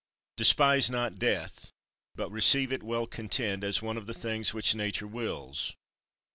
3. Despise not death; but receive it well content, as one of the things which Nature wills.